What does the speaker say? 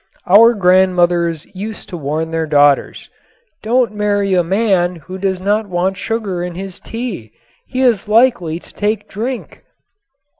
Our grandmothers used to warn their daughters: "Don't marry a man who does not want sugar in his tea. He is likely to take to drink."